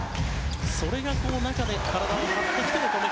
それが中で体を張ってきて。